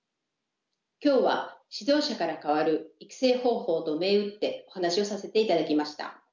今日は「指導者から変わる育成方法」と銘打ってお話しをさせていただきました。